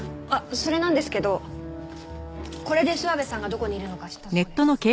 それなんですけどこれで諏訪部さんがどこにいるのか知ったそうです。